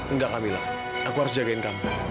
enggak kamila aku harus jagain kamila